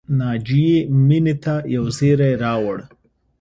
ناجیې مینې ته یو زېری راوړ